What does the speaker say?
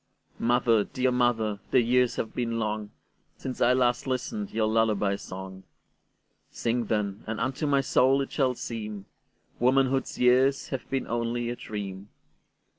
Mother, dear mother, the years have been longSince I last listened your lullaby song:Sing, then, and unto my soul it shall seemWomanhood's years have been only a dream.